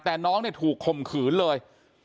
แต่น้องถูกคมขืนเลย